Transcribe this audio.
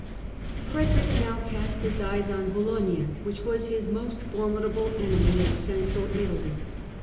Frederick now cast his eyes on Bologna, which was his most formidable enemy in Central Italy.